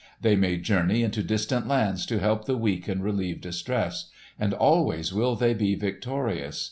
They may journey into distant lands to help the weak and relieve distress, and always will they be victorious.